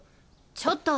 ちょっと。